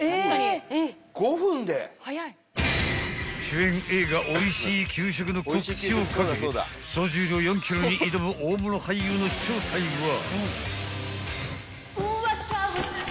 ［主演映画『おいしい給食』の告知を懸け総重量４ｋｇに挑む大物俳優の正体は？］